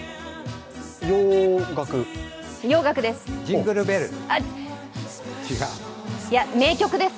洋楽です。